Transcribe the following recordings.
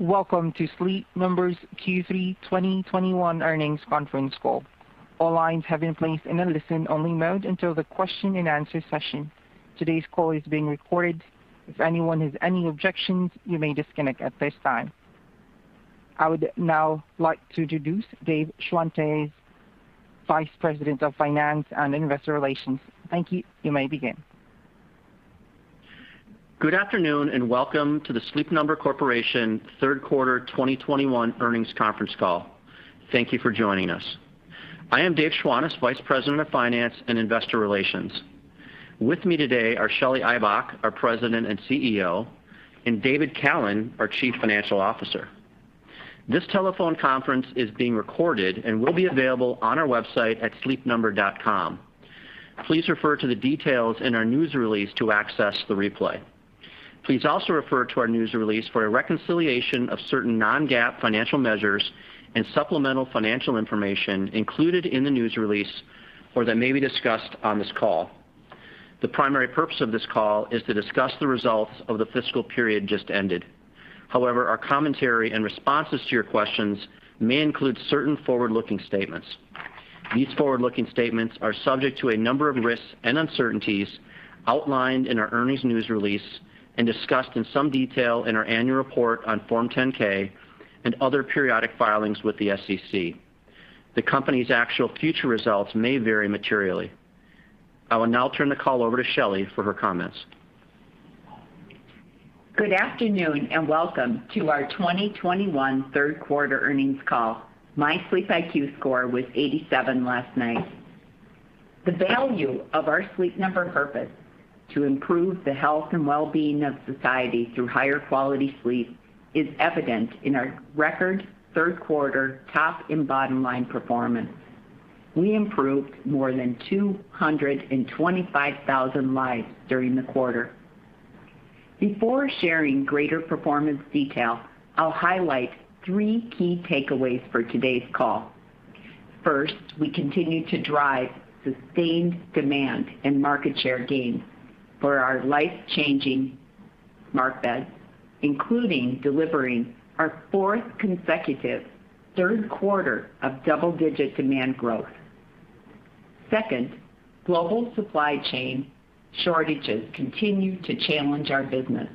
Welcome to Sleep Number's Q3 2021 earnings conference call. All lines have been placed in a listen-only mode until the question-and-answer session. Today's call is being recorded. If anyone has any objections, you may disconnect at this time. I would now like to introduce David Schwantes, Vice President of Finance and Investor Relations. Thank you. You may begin. Good afternoon, and welcome to the Sleep Number Corporation third quarter 2021 earnings conference call. Thank you for joining us. I am David Schwantes, Vice President of Finance and Investor Relations. With me today are Shelly Ibach, our President and CEO, and David Callen, our Chief Financial Officer. This telephone conference is being recorded and will be available on our website at sleepnumber.com. Please refer to the details in our news release to access the replay. Please also refer to our news release for a reconciliation of certain non-GAAP financial measures and supplemental financial information included in the news release or that may be discussed on this call. The primary purpose of this call is to discuss the results of the fiscal period just ended. However, our commentary and responses to your questions may include certain forward-looking statements. These forward-looking statements are subject to a number of risks and uncertainties outlined in our earnings news release and discussed in some detail in our annual report on Form 10-K and other periodic filings with the SEC. The company's actual future results may vary materially. I will now turn the call over to Shelly for her comments. Good afternoon, and welcome to our 2021 third quarter earnings call. My SleepIQ score was 87 last night. The value of our Sleep Number purpose to improve the health and well-being of society through higher quality sleep is evident in our record third quarter top and bottom line performance. We improved more than 225,000 lives during the quarter. Before sharing greater performance detail, I'll highlight three key takeaways for today's call. First, we continue to drive sustained demand and market share gains for our life-changing smart bed, including delivering our fourth consecutive third quarter of double-digit demand growth. Second, global supply chain shortages continue to challenge our business.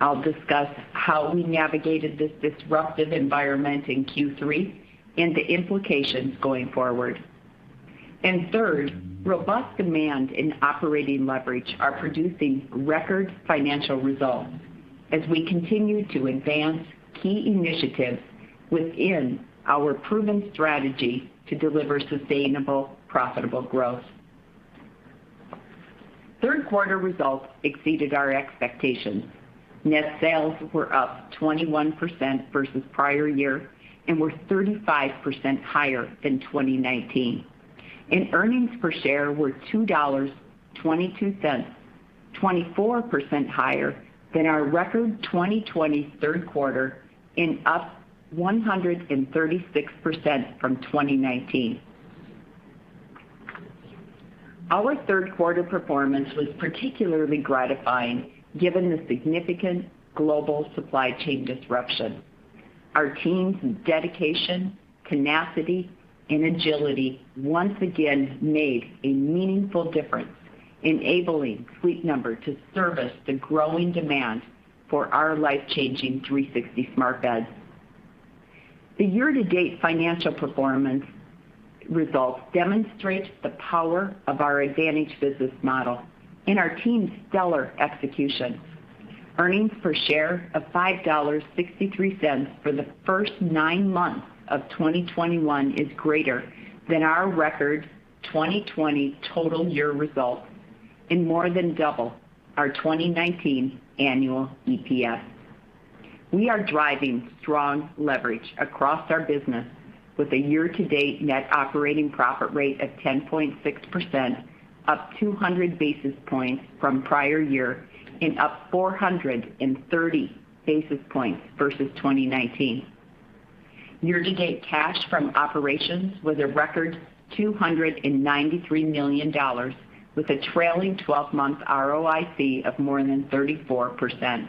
I'll discuss how we navigated this disruptive environment in Q3 and the implications going forward. Third, robust demand and operating leverage are producing record financial results as we continue to advance key initiatives within our proven strategy to deliver sustainable, profitable growth. Third quarter results exceeded our expectations. Net sales were up 21% versus prior-year and were 35% higher than 2019. Earnings per share were $2.22, 24% higher than our record 2020 third quarter and up 136% from 2019. Our third quarter performance was particularly gratifying given the significant global supply chain disruption. Our team's dedication, tenacity, and agility once again made a meaningful difference, enabling Sleep Number to service the growing demand for our life-changing 360 smart beds. The year-to-date financial performance results demonstrate the power of our advantage business model and our team's stellar execution. Earnings per share of $5.63 for the first nine months of 2021 is greater than our record 2020 total year results and more than double our 2019 annual EPS. We are driving strong leverage across our business with a year-to-date net operating profit rate of 10.6%, up 200 basis points from prior-year and up 430 basis points versus 2019. Year-to-date cash from operations was a record $293 million with a trailing 12 month ROIC of more than 34%.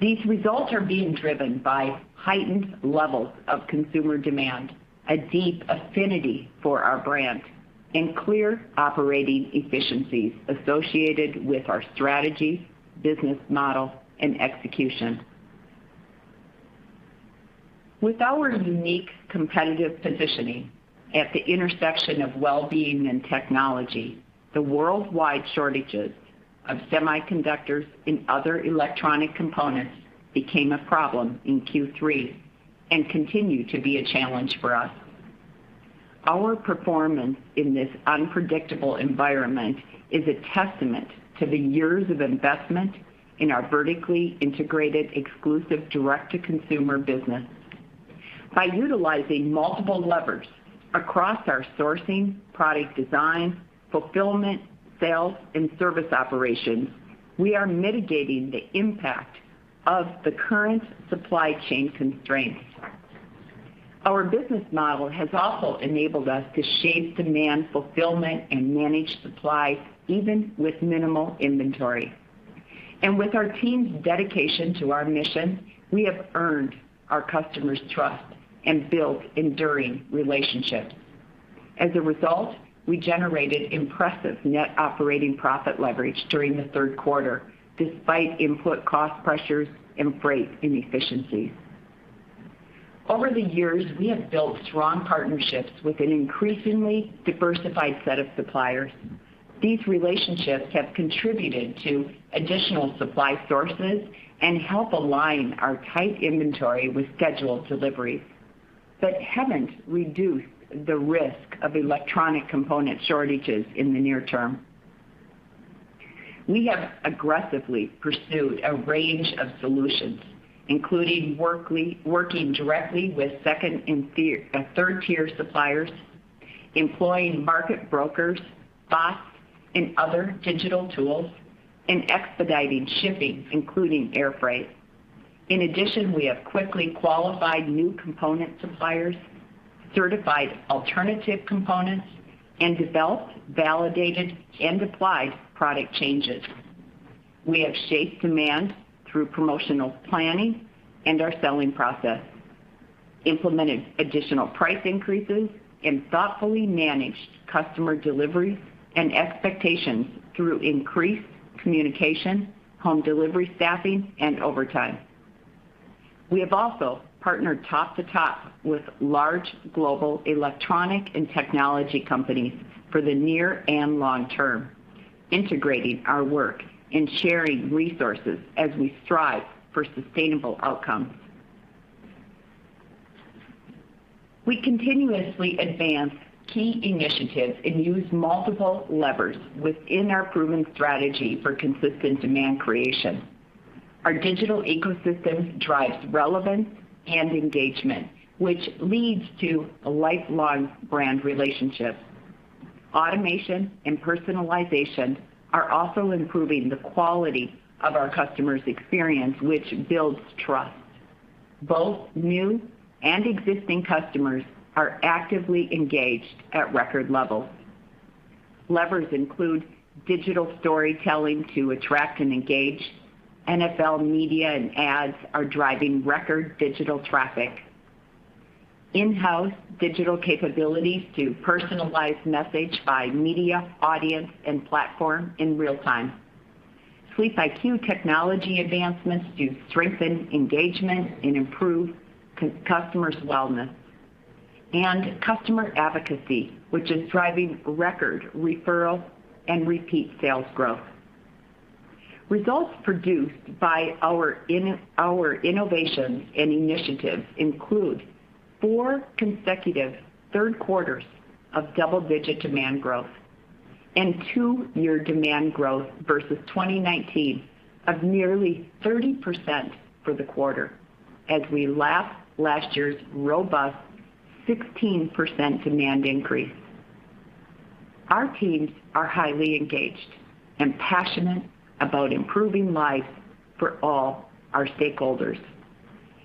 These results are being driven by heightened levels of consumer demand, a deep affinity for our brand, and clear operating efficiencies associated with our strategy, business model, and execution. With our unique competitive positioning at the intersection of well-being and technology, the worldwide shortages of semiconductors and other electronic components became a problem in Q3 and continue to be a challenge for us. Our performance in this unpredictable environment is a testament to the years of investment in our vertically integrated, exclusive direct-to-consumer business. By utilizing multiple levers across our sourcing, product design, fulfillment, sales, and service operations, we are mitigating the impact of the current supply chain constraints. Our business model has also enabled us to shape demand fulfillment and manage supply even with minimal inventory. With our team's dedication to our mission, we have earned our customers' trust and built enduring relationships. As a result, we generated impressive net operating profit leverage during the third quarter, despite input cost pressures and freight inefficiencies. Over the years, we have built strong partnerships with an increasingly diversified set of suppliers. These relationships have contributed to additional supply sources and help align our tight inventory with scheduled deliveries, but haven't reduced the risk of electronic component shortages in the near term. We have aggressively pursued a range of solutions, including working directly with second and third-tier suppliers, employing market brokers, bots, and other digital tools, and expediting shipping, including air freight. In addition, we have quickly qualified new component suppliers, certified alternative components, and developed, validated, and applied product changes. We have shaped demand through promotional planning and our selling process, implemented additional price increases, and thoughtfully managed customer deliveries and expectations through increased communication, home delivery staffing, and overtime. We have also partnered top-to-top with large global electronics and technology companies for the near and long-term, integrating our work and sharing resources as we strive for sustainable outcomes. We continuously advance key initiatives and use multiple levers within our proven strategy for consistent demand creation. Our digital ecosystem drives relevance and engagement, which leads to lifelong brand relationships. Automation and personalization are also improving the quality of our customers' experience, which builds trust. Both new and existing customers are actively engaged at record levels. Levers include digital storytelling to attract and engage. NFL media and ads are driving record digital traffic. In-house digital capabilities to personalize messaging by media, audience, and platform in real time. SleepIQ technology advancements to strengthen engagement and improve customers' wellness. Customer advocacy, which is driving record referral and repeat sales growth. Results produced by our innovations and initiatives include four consecutive third quarters of double-digit demand growth and 2-year demand growth versus 2019 of nearly 30% for the quarter as we lap last year's robust 16% demand increase. Our teams are highly engaged and passionate about improving life for all our stakeholders.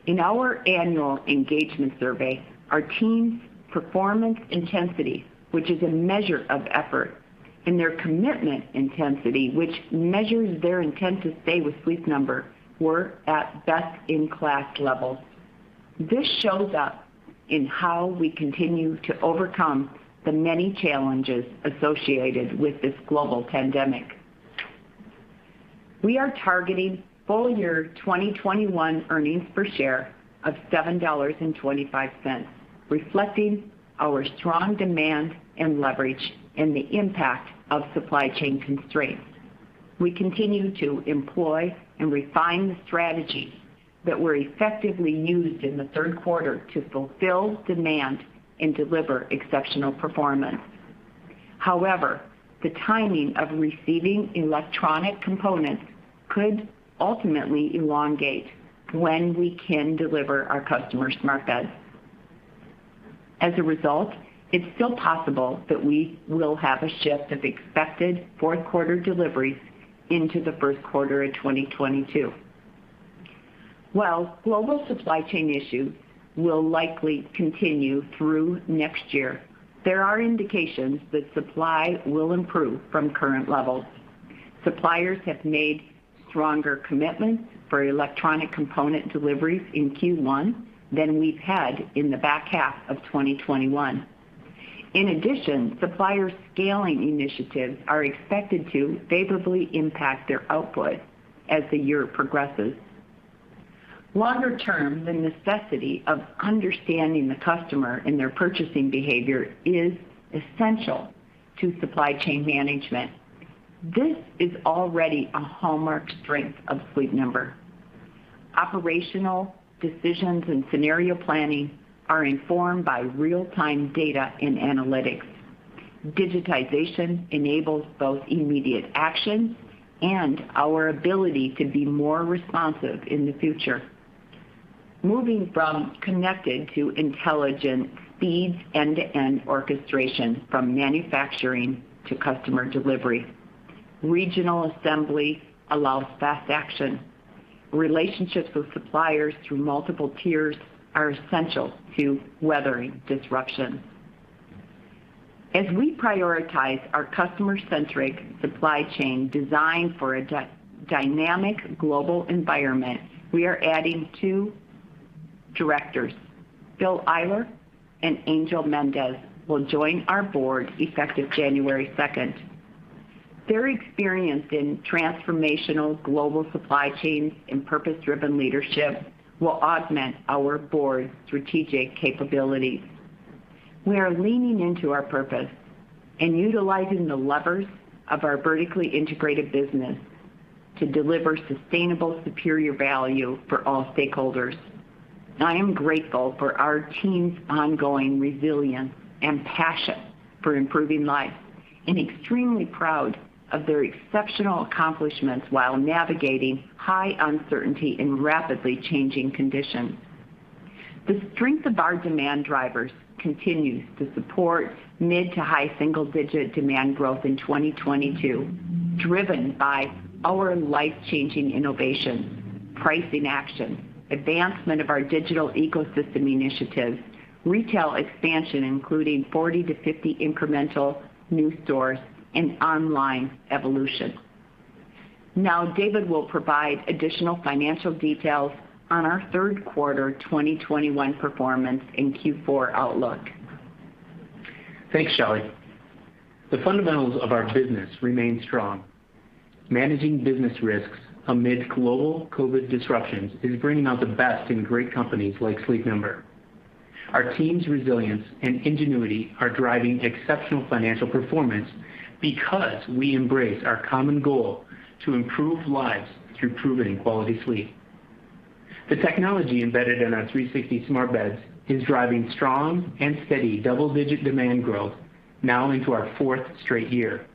In our annual engagement survey, our team's performance intensity, which is a measure of effort, and their commitment intensity, which measures their intent to stay with Sleep Number, were at best-in-class levels. This shows up in how we continue to overcome the many challenges associated with this global pandemic. We are targeting full-year 2021 earnings per share of $7.25, reflecting our strong demand and leverage and the impact of supply chain constraints. We continue to employ and refine the strategies that were effectively used in the third quarter to fulfill demand and deliver exceptional performance. However, the timing of receiving electronic components could ultimately elongate when we can deliver our customers' smart beds. As a result, it's still possible that we will have a shift of expected fourth quarter deliveries into the first quarter of 2022. While global supply chain issues will likely continue through next year, there are indications that supply will improve from current levels. Suppliers have made stronger commitments for electronic component deliveries in Q1 than we've had in the back half of 2021. In addition, supplier scaling initiatives are expected to favorably impact their output as the year progresses. Longer term, the necessity of understanding the customer and their purchasing behavior is essential to supply chain management. This is already a hallmark strength of Sleep Number. Operational decisions and scenario planning are informed by real-time data and analytics. Digitization enables both immediate action and our ability to be more responsive in the future. Moving from connected to intelligent speeds end-to-end orchestration from manufacturing to customer delivery. Regional assembly allows fast action. Relationships with suppliers through multiple tiers are essential to weathering disruption. As we prioritize our customer-centric supply chain design for a dynamic global environment, we are adding two directors. Bill Eyler and Angel Mendez will join our board effective January second. Their experience in transformational global supply chains and purpose-driven leadership will augment our board's strategic capabilities. We are leaning into our purpose and utilizing the levers of our vertically integrated business to deliver sustainable, superior value for all stakeholders. I am grateful for our team's ongoing resilience and passion for improving life, and extremely proud of their exceptional accomplishments while navigating high uncertainty and rapidly changing conditions. The strength of our demand drivers continues to support mid to high single-digit demand growth in 2022, driven by our life-changing innovations, pricing actions, advancement of our digital ecosystem initiatives, retail expansion, including 40-50 incremental new stores and online evolution. Now, David will provide additional financial details on our third quarter 2021 performance and Q4 outlook. Thanks, Shelly. The fundamentals of our business remain strong. Managing business risks amid global COVID disruptions is bringing out the best in great companies like Sleep Number. Our team's resilience and ingenuity are driving exceptional financial performance because we embrace our common goal to improve lives through proven quality sleep. The technology embedded in our 360 smart beds is driving strong and steady double-digit demand growth now into our fourth straight year.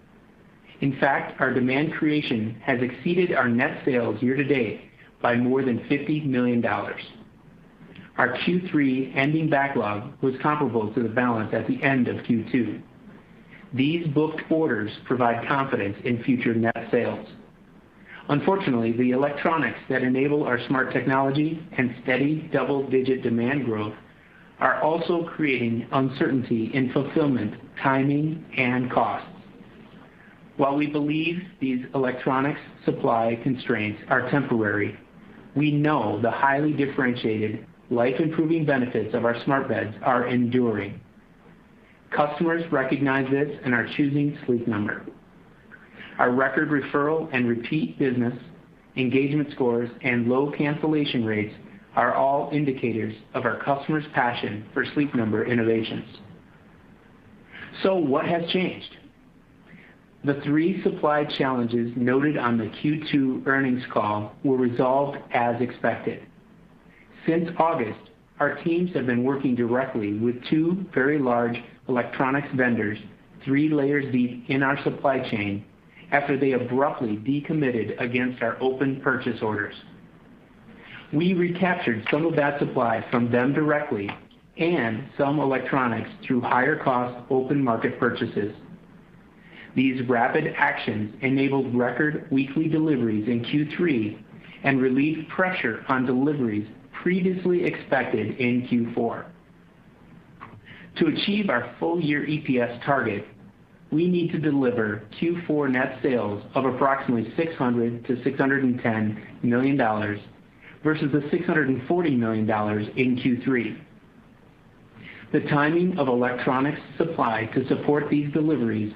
In fact, our demand creation has exceeded our net sales year-to-date by more than $50 million. Our Q3 ending backlog was comparable to the balance at the end of Q2. These booked orders provide confidence in future net sales. Unfortunately, the electronics that enable our smart technology and steady double-digit demand growth are also creating uncertainty in fulfillment, timing, and costs. While we believe these electronics supply constraints are temporary, we know the highly differentiated life-improving benefits of our smart beds are enduring. Customers recognize this and are choosing Sleep Number. Our record referral and repeat business engagement scores and low cancellation rates are all indicators of our customers' passion for Sleep Number innovations. What has changed? The three supply challenges noted on the Q2 earnings call were resolved as expected. Since August, our teams have been working directly with two very large electronics vendors, three layers deep in our supply chain, after they abruptly decommitted against our open purchase orders. We recaptured some of that supply from them directly and some electronics through higher cost open market purchases. These rapid actions enabled record weekly deliveries in Q3 and relieved pressure on deliveries previously expected in Q4. To achieve our full-year EPS target, we need to deliver Q4 net sales of approximately $600 million-$610 million versus $640 million in Q3. The timing of electronics supply to support these deliveries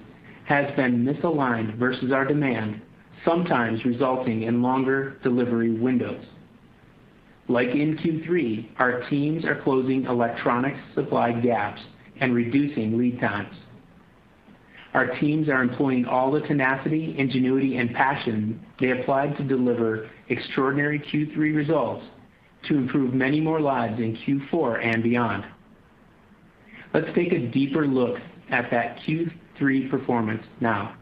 has been misaligned versus our demand, sometimes resulting in longer delivery windows. Like in Q3, our teams are closing electronics supply gaps and reducing lead times. Our teams are employing all the tenacity, ingenuity, and passion they applied to deliver extraordinary Q3 results to improve many more lives in Q4 and beyond. Let's take a deeper look at that Q3 performance now.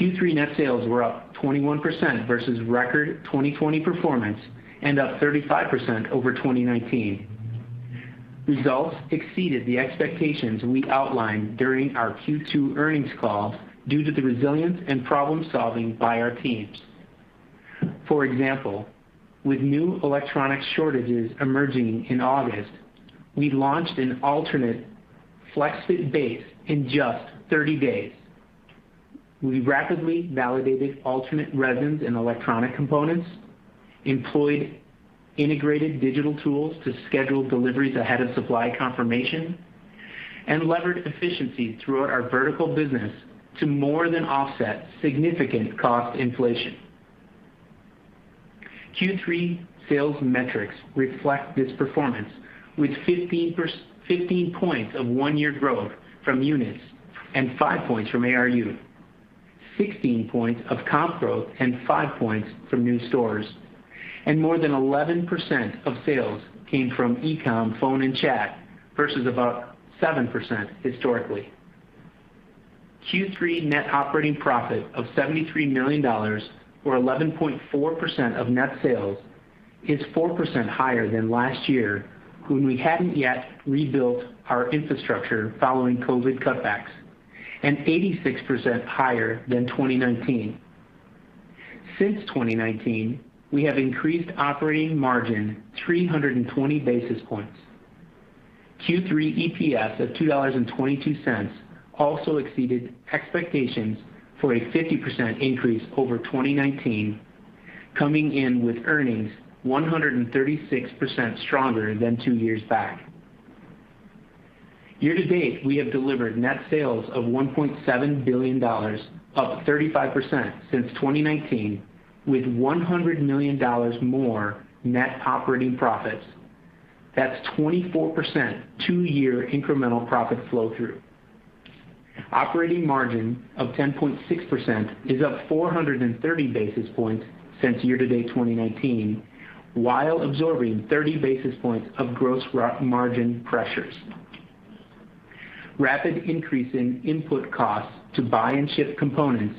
Q3 net sales were up 21% versus record 2020 performance and up 35% over 2019. Results exceeded the expectations we outlined during our Q2 earnings call due to the resilience and problem-solving by our teams. For example, with new electronic shortages emerging in August, we launched an alternate FlexFit base in just 30 days. We rapidly validated alternate resins and electronic components, employed integrated digital tools to schedule deliveries ahead of supply confirmation, and levered efficiencies throughout our vertical business to more than offset significant cost inflation. Q3 sales metrics reflect this performance with 15 points of one-year growth from units and five points from ARU, 16 points of comp growth and five points from new stores, and more than 11% of sales came from e-com, phone, and chat versus about 7% historically. Q3 net operating profit of $73 million or 11.4% of net sales is 4% higher than last year when we hadn't yet rebuilt our infrastructure following COVID cutbacks. 86% percent higher than 2019. Since 2019, we have increased operating margin 320 basis points. Q3 EPS of $2.22 also exceeded expectations for a 50% increase over 2019, coming in with earnings 136% stronger than two years back. Year-to-date, we have delivered net sales of $1.7 billion, up 35% since 2019, with $100 million more net operating profits. That's 24% two year incremental profit flow through. Operating margin of 10.6% is up 430 basis points since year-to-date 2019, while absorbing 30 basis points of gross margin pressures. Rapid increase in input costs to buy and ship components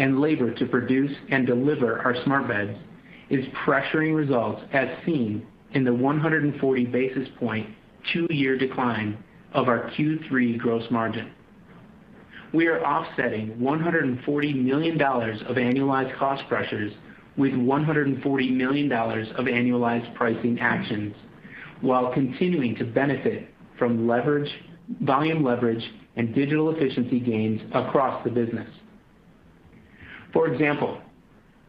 and labor to produce and deliver our smart beds is pressuring results as seen in the 140 basis points two-year decline of our Q3 gross margin. We are offsetting $140 million of annualized cost pressures with $140 million of annualized pricing actions, while continuing to benefit from leverage, volume leverage and digital efficiency gains across the business. For example,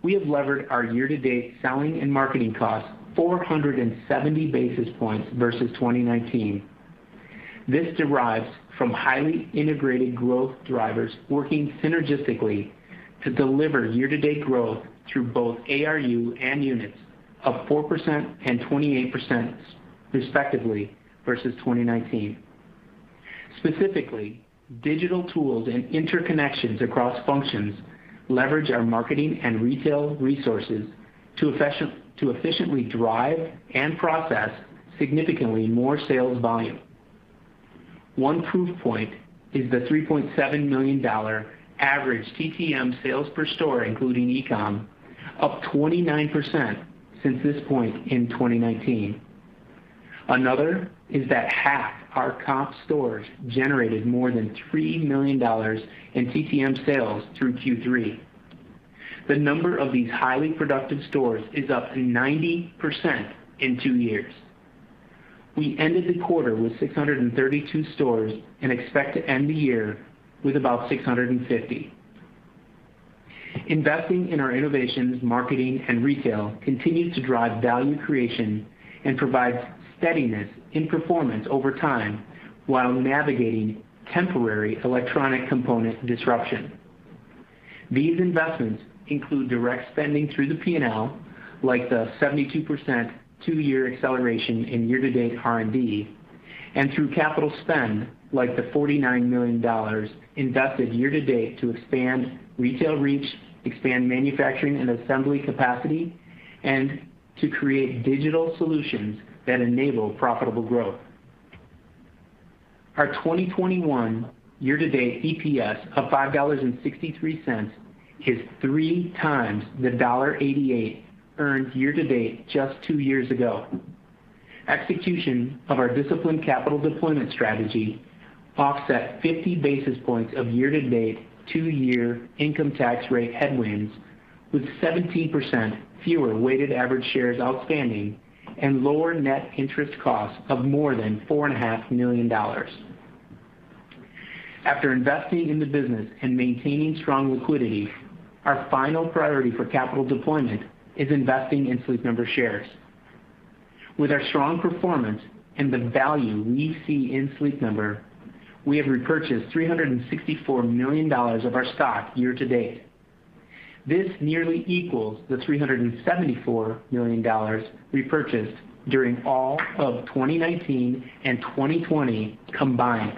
we have levered our year-to-date selling and marketing costs 470 basis points versus 2019. This derives from highly integrated growth drivers working synergistically to deliver year-to-date growth through both ARU and units of 4% and 28% respectively, versus 2019. Specifically, digital tools and interconnections across functions leverage our marketing and retail resources to efficiently drive and process significantly more sales volume. One proof point is the $3.7 million average TTM sales per store, including e-com, up 29% since this point in 2019. Another is that half our comp stores generated more than $3 million in TTM sales through Q3. The number of these highly productive stores is up 90% in two years. We ended the quarter with 632 stores and expect to end the year with about 650. Investing in our innovations, marketing and retail continues to drive value creation and provides steadiness in performance over time while navigating temporary electronic component disruption. These investments include direct spending through the P&L, like the 72% two-year acceleration in year-to-date R&D, and through capital spend, like the $49 million invested year-to-date to expand retail reach, expand manufacturing and assembly capacity, and to create digital solutions that enable profitable growth. Our 2021 year-to-date EPS of $5.63 is 3 times the $1.88 earned year-to-date just two years ago. Execution of our disciplined capital deployment strategy offset 50 basis points of year-to-date two-year income tax rate headwinds, with 17% fewer weighted average shares outstanding and lower net interest costs of more than $4.5 million. After investing in the business and maintaining strong liquidity, our final priority for capital deployment is investing in Sleep Number shares. With our strong performance and the value we see in Sleep Number, we have repurchased $364 million of our stock year-to-date. This nearly equals the $374 million repurchased during all of 2019 and 2020 combined.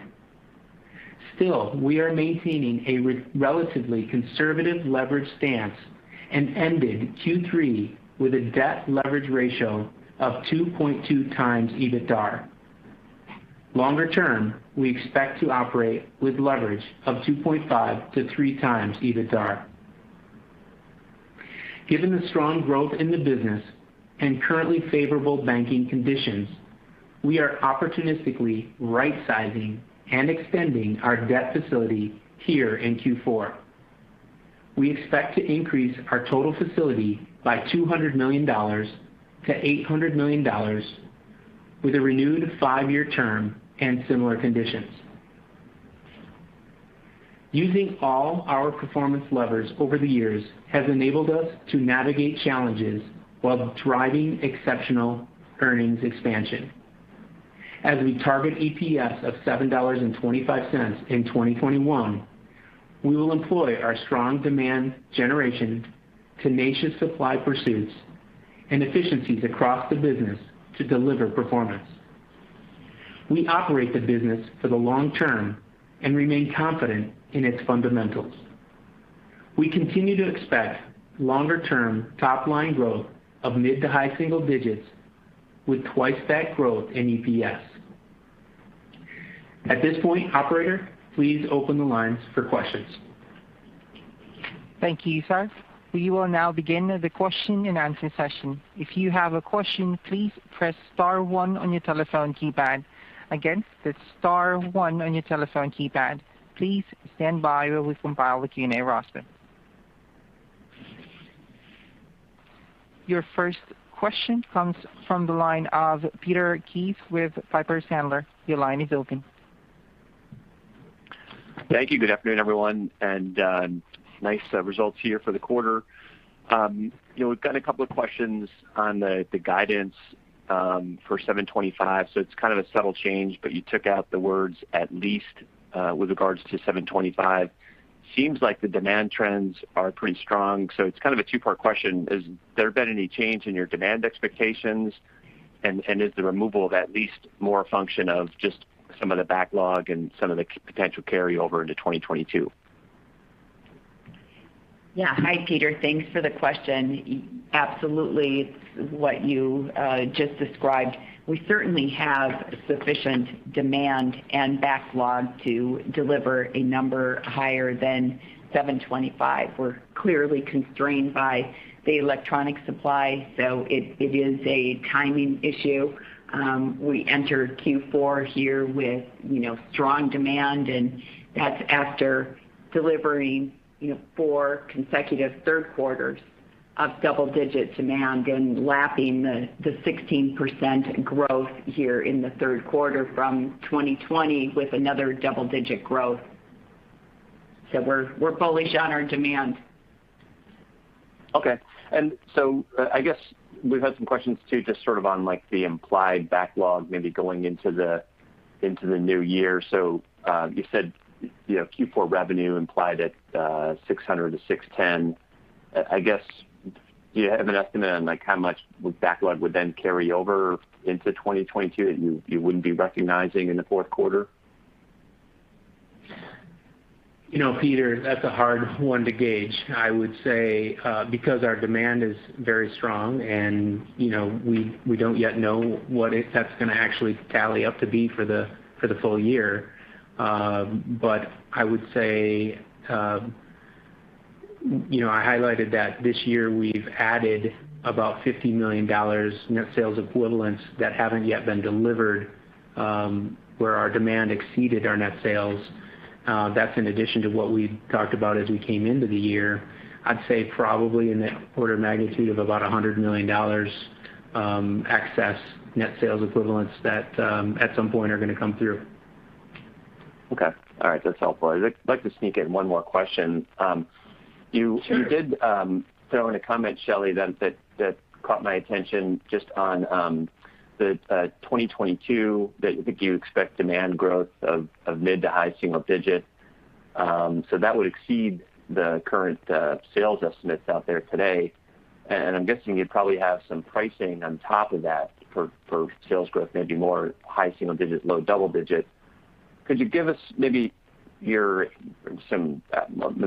Still, we are maintaining a relatively conservative leverage stance and ended Q3 with a debt leverage ratio of 2.2x EBITDA. Longer term, we expect to operate with leverage of 2.5x-3x EBITDA Given the strong growth in the business and currently favorable banking conditions, we are opportunistically rightsizing and extending our debt facility here in Q4. We expect to increase our total facility by $200 million to $800 million with a renewed five-year term and similar conditions. Using all our performance levers over the years has enabled us to navigate challenges while driving exceptional earnings expansion. As we target EPS of $7.25 in 2021, we will employ our strong demand generation, tenacious supply pursuits, and efficiencies across the business to deliver performance. We operate the business for the long term and remain confident in its fundamentals. We continue to expect longer-term top-line growth of mid- to high-single digits with twice that growth in EPS. At this point, operator, please open the lines for questions. Thank you, sir. We will now begin the question and answer session. If you have a question, please press star one on your telephone keypad. Again, it's star one on your telephone keypad. Please stand by while we compile the Q&A roster. Your first question comes from the line of Peter Keith with Piper Sandler. Your line is open. Thank you. Good afternoon, everyone. Nice results here for the quarter. You know, we've got a couple of questions on the guidance for $725, so it's kind of a subtle change, but you took out the words at least with regard to $725. Seems like the demand trends are pretty strong, so it's kind of a two part question. Has there been any change in your demand expectations? Is the removal of at least more a function of just some of the backlog and some of the Q1 potential carry over into 2022? Yeah. Hi, Peter. Thanks for the question. Absolutely what you just described. We certainly have sufficient demand and backlog to deliver a number higher than 725. We're clearly constrained by the electronic supply, so it is a timing issue. We entered Q4 here with, you know, strong demand, and that's after delivering, you know, four consecutive third quarters of double-digit demand and lapping the 16% growth here in the third quarter from 2020 with another double-digit growth. We're bullish on our demand. I guess we've had some questions too, just sort of on, like, the implied backlog maybe going into the new year. You said you know, Q4 revenue implied at $600-$610. I guess, do you have an estimate on, like, how much backlog would then carry over into 2022 that you wouldn't be recognizing in the fourth quarter? You know, Peter, that's a hard one to gauge. I would say because our demand is very strong and, you know, we don't yet know what that's gonna actually tally up to be for the full-year. I would say you know, I highlighted that this year we've added about $50 million net sales equivalent that haven't yet been delivered, where our demand exceeded our net sales. That's in addition to what we talked about as we came into the year. I'd say probably in the order of magnitude of about $100 million excess net sales equivalents that at some point are gonna come through. Okay. All right. That's helpful. I'd like to sneak in one more question. Sure. You did throw in a comment, Shelly, that caught my attention just on the 2022 that you expect demand growth of mid- to high-single-digit%. That would exceed the current sales estimates out there today. I'm guessing you probably have some pricing on top of that for sales growth, maybe more high-single-digit, low-double-digit%. Could you, well, let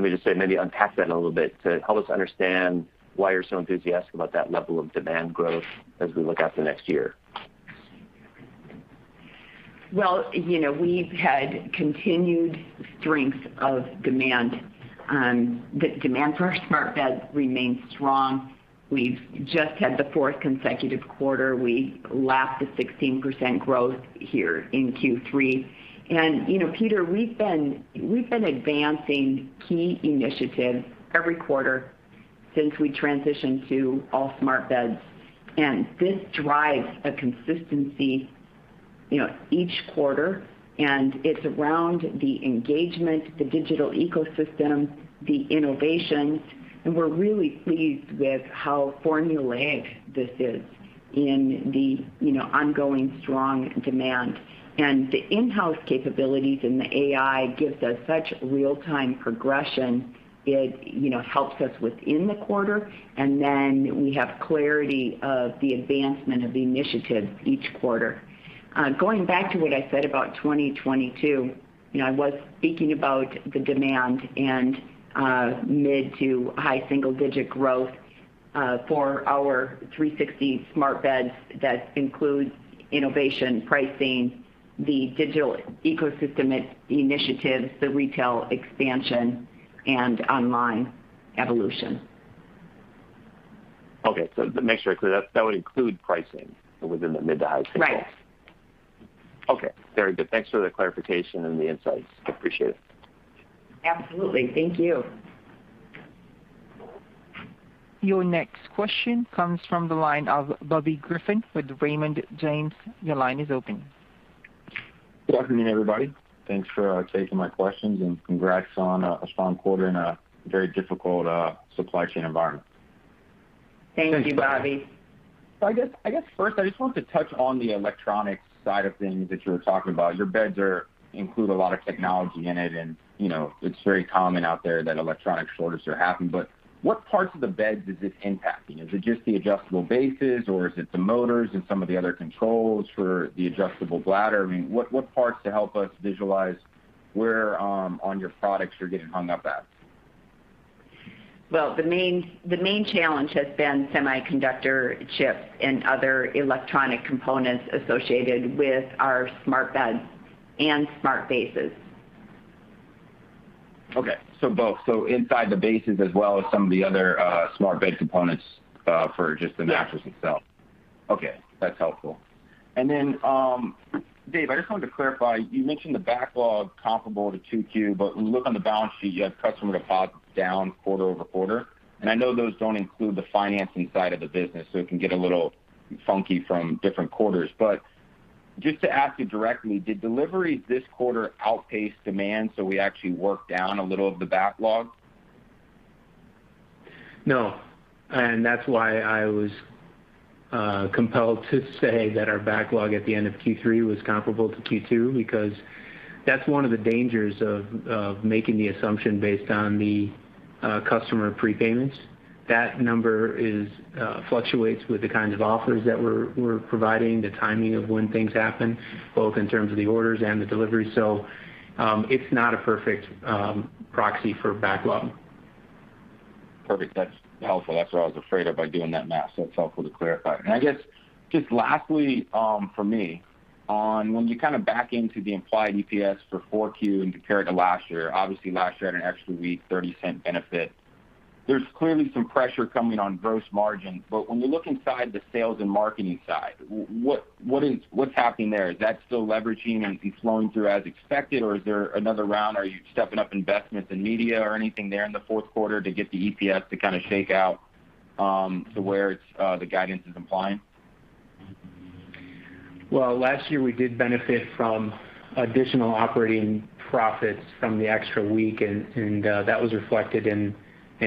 me just say, maybe unpack that a little bit to help us understand why you're so enthusiastic about that level of demand growth as we look out the next year. Well, you know, we've had continued strength of demand. The demand for our smart beds remains strong. We've just had the fourth consecutive quarter. We lapped the 16% growth here in Q3. You know, Peter, we've been advancing key initiatives every quarter since we transitioned to all smart beds. This drives a consistency, you know, each quarter, and it's around the engagement, the digital ecosystem, the innovation. We're really pleased with how formulaic this is in the, you know, ongoing strong demand. The in-house capabilities and the AI gives us such real-time progression. It, you know, helps us within the quarter, and then we have clarity of the advancement of the initiative each quarter. Going back to what I said about 2022, you know, I was speaking about the demand and mid- to high-single-digit growth for our 360 smart beds that includes innovation, pricing, the digital ecosystem initiatives, the retail expansion, and online evolution. Okay. To make sure I'm clear, that would include pricing within the mid-to-high-single- Right. Okay. Very good. Thanks for the clarification and the insights. Appreciate it. Absolutely. Thank you. Your next question comes from the line of Bobby Griffin with Raymond James. Your line is open. Good afternoon, everybody. Thanks for taking my questions and congrats on a strong quarter in a very difficult supply chain environment. Thank you, Bobby. Thanks, Bobby. I guess first, I just wanted to touch on the electronic side of things that you were talking about. Your beds include a lot of technology in it, and you know, it's very common out there that electronic shortages are happening. But what parts of the beds is this impacting? Is it just the adjustable bases, or is it the motors and some of the other controls for the adjustable bladder? I mean, what parts to help us visualize where on your products you're getting hung up at? Well, the main challenge has been semiconductor chips and other electronic components associated with our smart beds. Smart bases. Okay. Both. Inside the bases as well as some of the other, smart base components, for just the mattress itself? Yeah. Okay, that's helpful. Dave, I just wanted to clarify. You mentioned the backlog comparable to 2Q. When we look on the balance sheet, you have customer deposits down quarter-over-quarter. I know those don't include the financing side of the business, so it can get a little funky from different quarters. Just to ask you directly, did deliveries this quarter outpace demand, so we actually worked down a little of the backlog? No. That's why I was compelled to say that our backlog at the end of Q3 was comparable to Q2, because that's one of the dangers of making the assumption based on the customer prepayments. That number fluctuates with the kinds of offers that we're providing, the timing of when things happen, both in terms of the orders and the delivery. It's not a perfect proxy for backlog. Perfect. That's helpful. That's what I was afraid of by doing that math, so it's helpful to clarify. I guess just lastly, for me, on when you kind of back into the implied EPS for 4Q and compare it to last year, obviously last year had an extra week, $0.30 benefit. There's clearly some pressure coming on gross margin. When we look inside the sales and marketing side, what's happening there? Is that still leveraging and flowing through as expected, or is there another round? Are you stepping up investments in media or anything there in the fourth quarter to get the EPS to kind of shake out, to where it's, the guidance is compliant? Well, last year we did benefit from additional operating profits from the extra week that was reflected in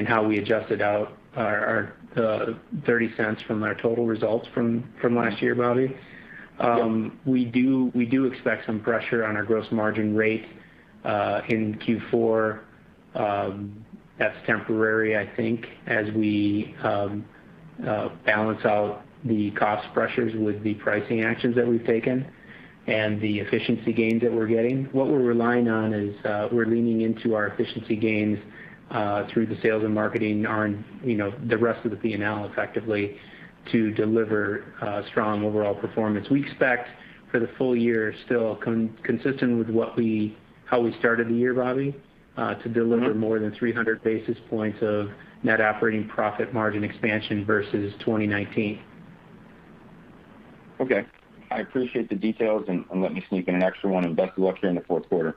how we adjusted out the $0.30 from our total results from last year, Bobby. Yeah. We do expect some pressure on our gross margin rate in Q4. That's temporary, I think, as we balance out the cost pressures with the pricing actions that we've taken and the efficiency gains that we're getting. What we're relying on is we're leaning into our efficiency gains through the sales and marketing, our, you know, the rest of the P&L effectively, to deliver strong overall performance. We expect for the full-year still consistent with how we started the year, Bobby. Mm-hmm. to deliver more than 300 basis points of net operating profit margin expansion versus 2019. Okay. I appreciate the details and let me sneak in an extra one, and best of luck during the fourth quarter.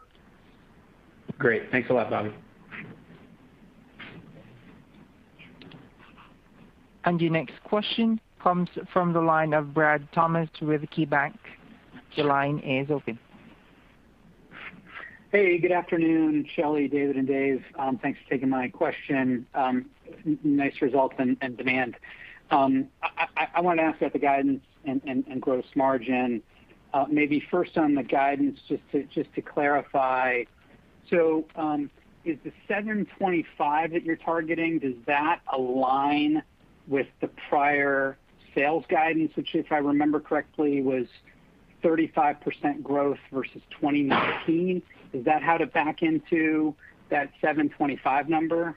Great. Thanks a lot, Bobby. Your next question comes from the line of Bradley Thomas with KeyBanc. Your line is open. Hey, good afternoon, Shelly, David, and Dave. Thanks for taking my question. Nice results and demand. I want to ask about the guidance and gross margin. Maybe first on the guidance, just to clarify. Is the $725 that you're targeting, does that align with the prior sales guidance, which if I remember correctly, was 35% growth versus 2019? Is that how to back into that $725 number?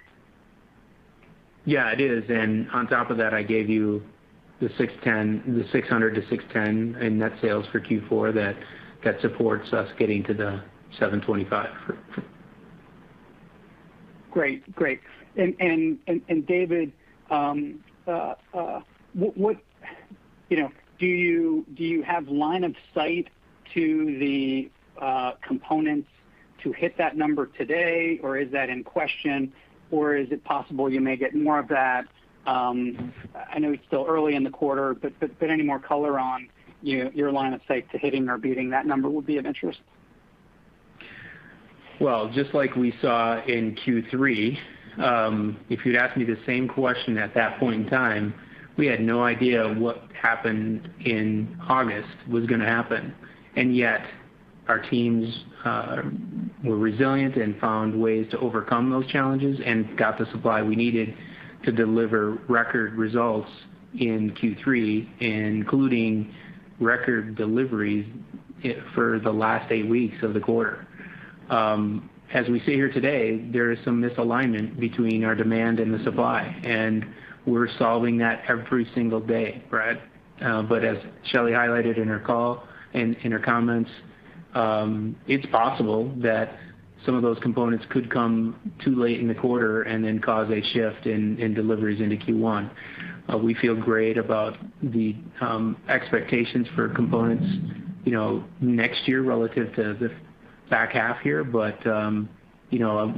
Yeah, it is. On top of that, I gave you the $600-$610 in net sales for Q4 that supports us getting to the $725. Great. David, what, you know, do you have line of sight to the components to hit that number today, or is that in question? Or is it possible you may get more of that? I know it's still early in the quarter, but any more color on your line of sight to hitting or beating that number would be of interest. Well, just like we saw in Q3, if you'd asked me the same question at that point in time, we had no idea what happened in August was gonna happen. Yet our teams were resilient and found ways to overcome those challenges and got the supply we needed to deliver record results in Q3, including record deliveries for the last eight weeks of the quarter. As we sit here today, there is some misalignment between our demand and the supply, and we're solving that every single day, Brad. As Shelly highlighted in her call, in her comments, it's possible that some of those components could come too late in the quarter and then cause a shift in deliveries into Q1. We feel great about the expectations for components, you know, next year relative to the back half here. you know,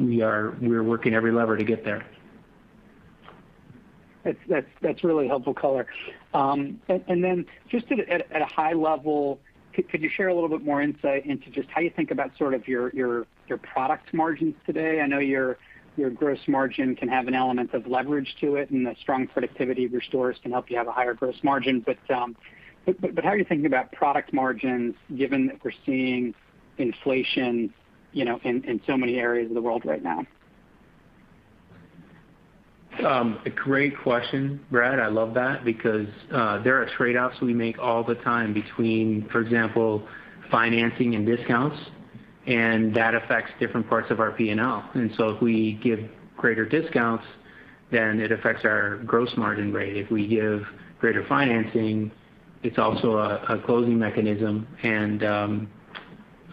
we're working every lever to get there. That's really helpful color. Then just at a high level, could you share a little bit more insight into just how you think about sort of your product margins today? I know your gross margin can have an element of leverage to it, and the strong productivity of your stores can help you have a higher gross margin. How are you thinking about product margins given that we're seeing inflation, you know, in so many areas of the world right now? A great question, Brad. I love that because there are trade-offs we make all the time between, for example, financing and discounts. That affects different parts of our P&L. If we give greater discounts, then it affects our gross margin rate. If we give greater financing, it's also a closing mechanism and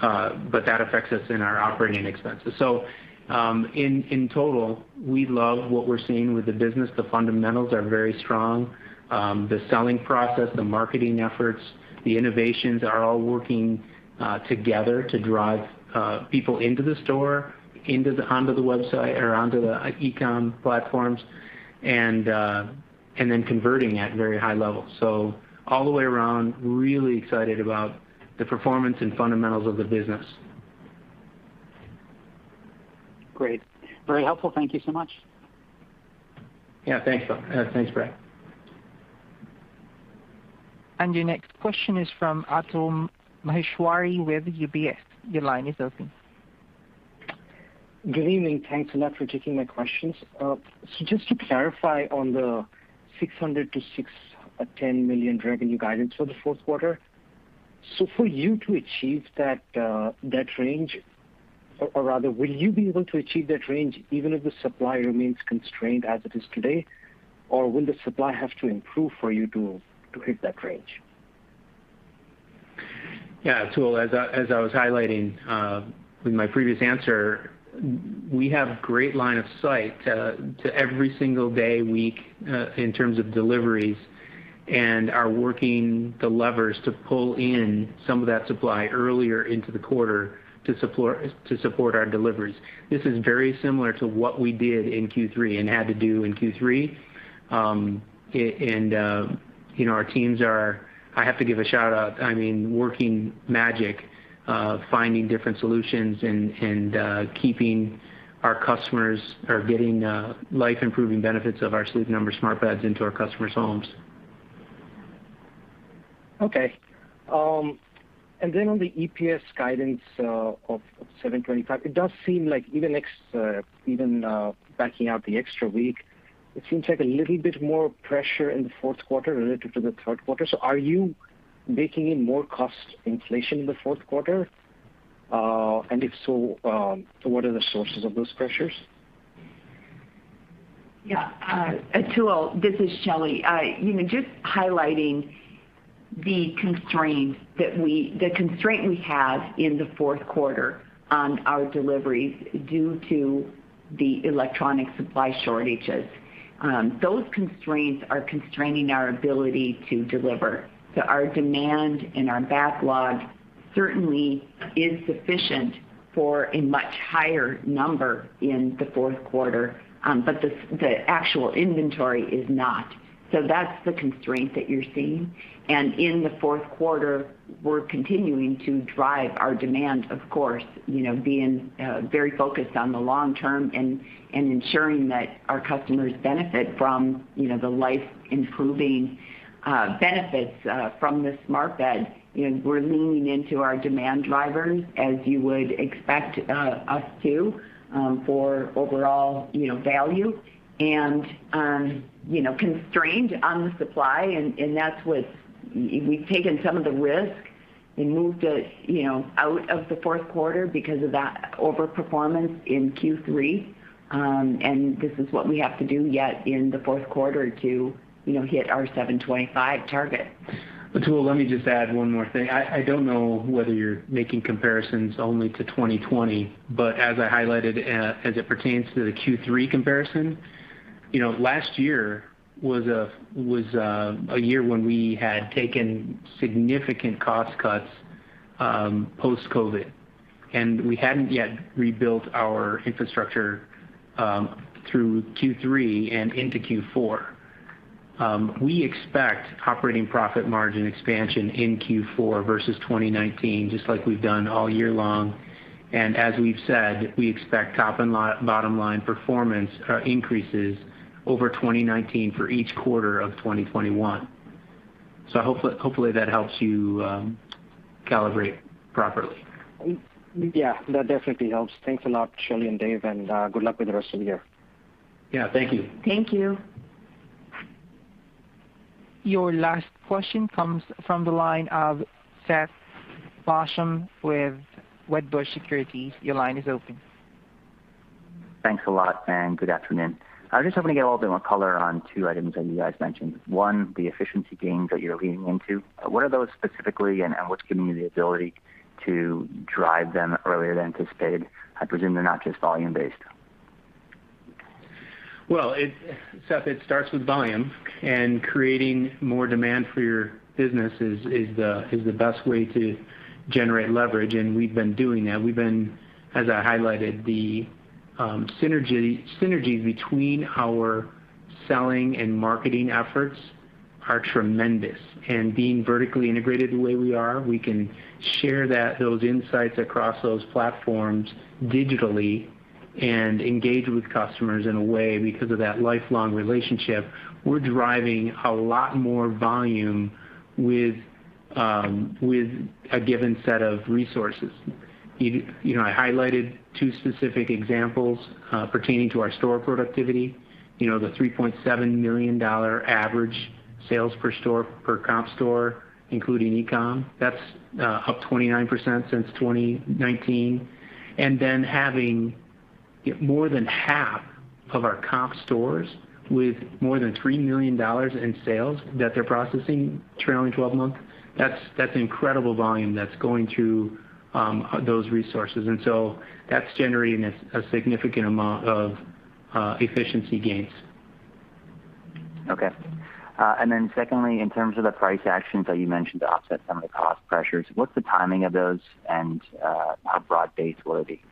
but that affects us in our operating expenses. In total, we love what we're seeing with the business. The fundamentals are very strong. The selling process, the marketing efforts, the innovations are all working together to drive people into the store, onto the website or onto the e-com platforms, and then converting at very high levels. All the way around, really excited about the performance and fundamentals of the business. Great. Very helpful. Thank you so much. Yeah, thanks, Brad. Your next question is from Atul Maheshwari with UBS. Your line is open. Good evening. Thanks a lot for taking my questions. Just to clarify on the $600 million-$610 million revenue guidance for the fourth quarter. For you to achieve that range, or rather, will you be able to achieve that range even if the supply remains constrained as it is today? Or will the supply have to improve for you to hit that range? Yeah, Atul, as I was highlighting with my previous answer, we have great line of sight to every single day, week in terms of deliveries, and are working the levers to pull in some of that supply earlier into the quarter to support our deliveries. This is very similar to what we did in Q3 and had to do in Q3. You know, our teams are working magic. I have to give a shout-out, I mean, finding different solutions and keeping our customers or getting life-improving benefits of our Sleep Number smart beds into our customers' homes. Okay. On the EPS guidance of $7.25, it does seem like even backing out the extra week, it seems like a little bit more pressure in the fourth quarter related to the third quarter. Are you baking in more cost inflation in the fourth quarter? If so, what are the sources of those pressures? Yeah, Atul, this is Shelly. You know, just highlighting the constraint we have in the fourth quarter on our deliveries due to the electronic supply shortages. Those constraints are constraining our ability to deliver. Our demand and our backlog certainly is sufficient for a much higher number in the fourth quarter, but the actual inventory is not. That's the constraint that you're seeing. In the fourth quarter, we're continuing to drive our demand, of course, you know, being very focused on the long term and ensuring that our customers benefit from, you know, the life-improving benefits from the smart bed. You know, we're leaning into our demand drivers as you would expect us to for overall, you know, value. You know, constrained on the supply and that's what's we've taken some of the risk and moved it, you know, out of the fourth quarter because of that over-performance in Q3. This is what we have to do yet in the fourth quarter to, you know, hit our $725 target. Atul, let me just add one more thing. I don't know whether you're making comparisons only to 2020, but as I highlighted as it pertains to the Q3 comparison, you know, last year was a year when we had taken significant cost cuts post-COVID, and we hadn't yet rebuilt our infrastructure through Q3 and into Q4. We expect operating profit margin expansion in Q4 versus 2019, just like we've done all year long. As we've said, we expect top and bottom line performance increases over 2019 for each quarter of 2021. Hopefully that helps you calibrate properly. Yeah, that definitely helps. Thanks a lot, Shelly and Dave, and good luck with the rest of the year. Yeah, thank you. Thank you. Your last question comes from the line of Seth Basham with Wedbush Securities. Your line is open. Thanks a lot, and good afternoon. I was just hoping to get a little bit more color on two items that you guys mentioned. One, the efficiency gains that you're leaning into. What are those specifically, and what's giving you the ability to drive them earlier than anticipated? I presume they're not just volume-based. Well, Seth, it starts with volume, and creating more demand for your business is the best way to generate leverage, and we've been doing that. We've been. As I highlighted, the synergy between our selling and marketing efforts are tremendous. Being vertically integrated the way we are, we can share those insights across those platforms digitally and engage with customers in a way because of that lifelong relationship. We're driving a lot more volume with a given set of resources. You know, I highlighted two specific examples pertaining to our store productivity. You know, the $3.7 million average sales per store, per comp store, including e-com, that's up 29% since 2019. Having more than half of our comp stores with more than $3 million in sales that they're processing trailing twelve-month, that's incredible volume that's going through those resources. That's generating a significant amount of efficiency gains. Okay. Then secondly, in terms of the price actions that you mentioned to offset some of the cost pressures, what's the timing of those and how broad-based will it be?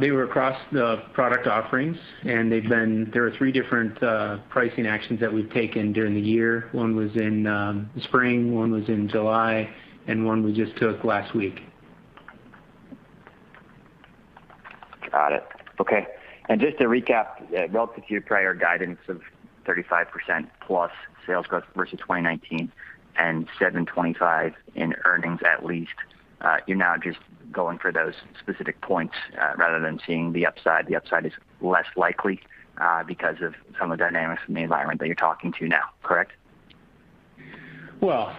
They were across the product offerings, and there are three different pricing actions that we've taken during the year. One was in spring, one was in July, and one we just took last week. Got it. Okay. Just to recap, relative to your prior guidance of 35%+ sales growth versus 2019 and $7.25 in earnings, at least, you're now just going for those specific points, rather than seeing the upside. The upside is less likely, because of some of the dynamics in the environment that you're talking to now, correct? Well,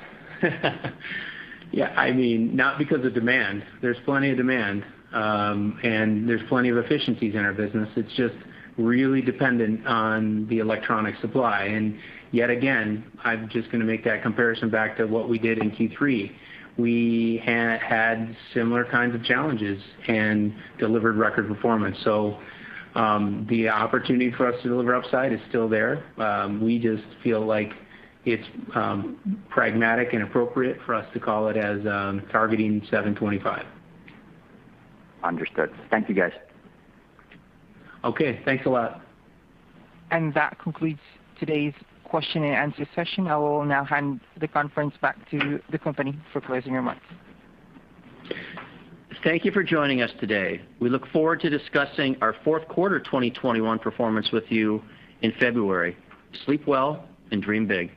yeah, I mean, not because of demand. There's plenty of demand, and there's plenty of efficiencies in our business. It's just really dependent on the electronic supply. Yet again, I'm just gonna make that comparison back to what we did in Q3. We had similar kinds of challenges and delivered record performance. The opportunity for us to deliver upside is still there. We just feel like it's pragmatic and appropriate for us to call it as targeting $725. Understood. Thank you, guys. Okay. Thanks a lot. That concludes today's question-and-answer session. I will now hand the conference back to the company for closing remarks. Thank you for joining us today. We look forward to discussing our fourth quarter 2021 performance with you in February. Sleep well and dream big.